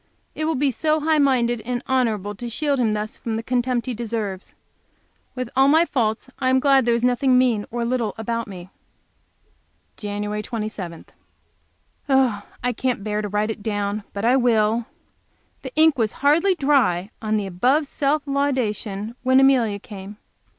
It will be so high minded and honorable to shield him thus from the contempt he deserves. With all my faults I am glad that there is nothing mean or little about me! Jan. 27. I can't bear to write it down, but I will. The ink was hardly dry yesterday on the above self laudation when Amelia came.